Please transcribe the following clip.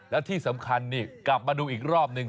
แล้วที่สำคัญกลับมาดูอีกรอบหนึ่ง